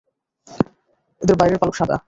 এদের বাইরের পালক সাদা।